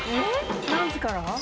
何時から？